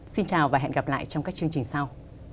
xin chào và hẹn gặp lại trong các chương trình sau